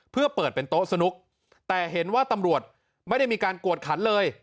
เพื่อเปิดเป็นโต๊ะสนุกแต่เห็นว่าตำรวจไม่ได้มีการกวดขันเลย